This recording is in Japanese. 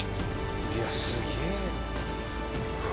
いやすげえ。